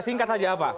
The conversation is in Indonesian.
singkat saja apa